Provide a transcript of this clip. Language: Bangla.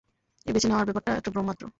এই বেছে নেওয়ার ব্যাপারটা একটা ভ্রম মাত্র!